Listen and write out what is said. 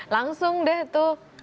langsung deh tuh